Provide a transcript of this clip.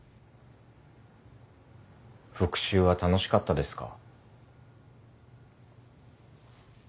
復讐は楽しかったですか？